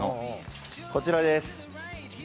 こちらです。